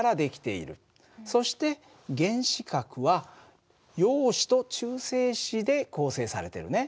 そして原子核は陽子と中性子で構成されているね。